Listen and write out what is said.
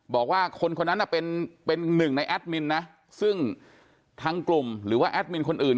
บอกว่าคนคนนั้นน่ะเป็นหนึ่งในแอดมินนะซึ่งทางกลุ่มหรือว่าแอดมินคนอื่น